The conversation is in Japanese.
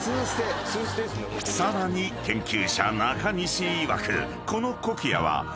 ［さらに研究者中西いわくこの］